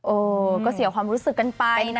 โอ้ก็เสียความรู้สึกกันไปนะ